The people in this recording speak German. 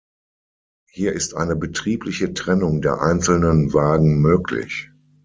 Hier ist eine betriebliche Trennung der einzelnen Wagen möglich.